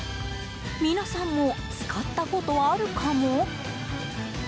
皆さんも使ったことあるかも？